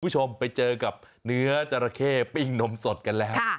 คุณผู้ชมไปเจอกับเนื้อจราเข้ปิ้งนมสดกันแล้ว